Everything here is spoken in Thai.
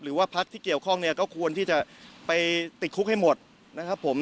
หรือว่าพักที่เกี่ยวข้องเนี่ยก็ควรที่จะไปติดคุกให้หมดนะครับผม